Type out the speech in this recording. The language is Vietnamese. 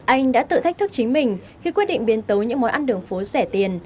anh đã tự thách thức chính mình khi quyết định biến tấu những món ăn đường phố rẻ tiền